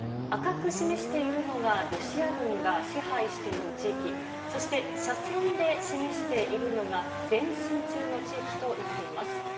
赤く示しているのが、ロシア軍が支配している地域、そして斜線で示しているのが、前進中の地域となっています。